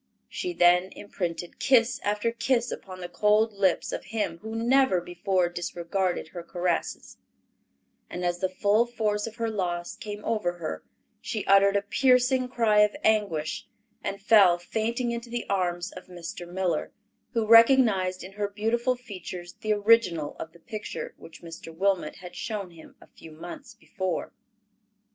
She then imprinted kiss after kiss upon the cold lips of him who never before disregarded her caresses; and as the full force of her loss came over her, she uttered a piercing cry of anguish, and fell fainting into the arms of Mr. Miller, who recognized in her beautiful features the original of the picture which Mr. Wilmot had shown him a few months before.